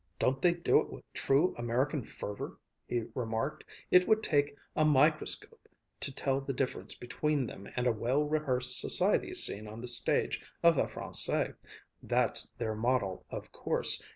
"Don't they do it with true American fervor!" he remarked. "It would take a microscope to tell the difference between them and a well rehearsed society scene on the stage of the Français! That's their model, of course.